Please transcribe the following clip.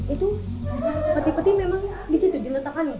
itu peti peti memang di situ diletakkan